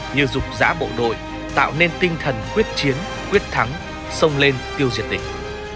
như rục rã bộ đội tạo nên tinh thần quyết chiến quyết thắng sông lên tiêu diệt địch